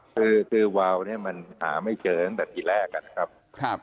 คือคือวาวเนี้ยมันหาไม่เจอตั้งแต่ที่แรกอะครับครับ